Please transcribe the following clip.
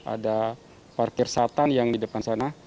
ada parkir satan yang di depan sana